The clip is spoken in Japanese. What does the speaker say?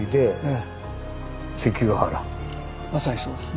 まさにそうです。